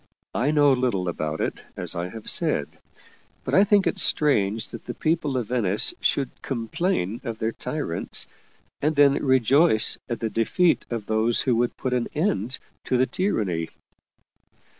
I know little about it, as I have said but I think it strange that the people of Venice should complain of their tyrants, and then rejoice at the defeat of those who would put an end to the tyranny